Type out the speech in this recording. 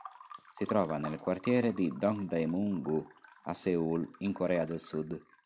Si trova nel quartiere di Dongdaemun-gu, a Seul, in Corea del Sud.